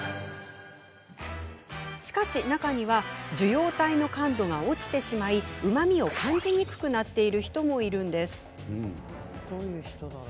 しかし、中には受容体の感度が落ちてしまいうまみを感じにくくなっている人もいるんです。